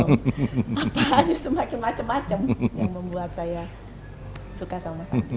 apa aja semakin macem macem yang membuat saya suka sama sapi